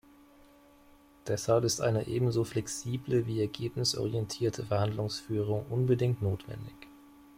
Deshalb ist eine ebenso flexible wie ergebnisorientierte Verhandlungsführung unbedingt notwendig.